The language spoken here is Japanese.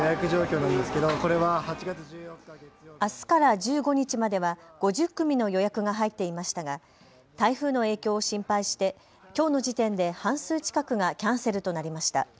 あすから１５日までは５０組の予約が入っていましたが台風の影響を心配してきょうの時点で半数近くがキャンセルとなりました。